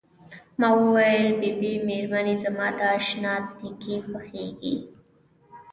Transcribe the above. ما وویل بي بي مېرمنې زما د اشنا تیکې پخیږي.